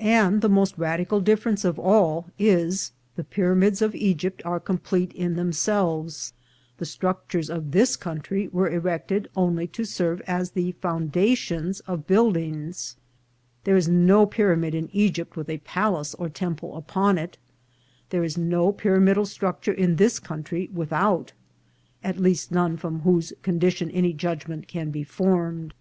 And the most radical difference of all is, the pyramids of Egypt are complete in themselves ; the structures of this country were erected only to serve as the foundations of build ings. There is no pyramid in Egypt with a palace or temple upon it ; there is no pyramidal structure in this country without ; at least none from whose condition any judgment can be formed.